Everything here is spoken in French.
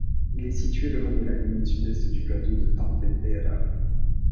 Il est situé le long de la limite sud-est du plateau de Tempe Terra.